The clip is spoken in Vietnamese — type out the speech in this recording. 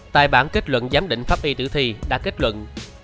tài bản kết luận giám định pháp y tử thi đã kết luận